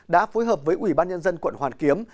đã phối hợp với ủy ban nhân dân quận hoàn kiếm